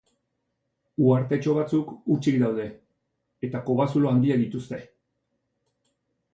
Uhartetxo batzuk hutsik daude, eta kobazulo handiak dituzte.